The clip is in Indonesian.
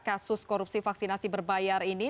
kasus korupsi vaksinasi berbayar ini